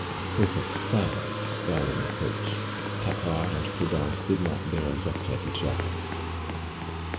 Perfect silence fell in the coach. Paccard and Prudence did not dare look at each other.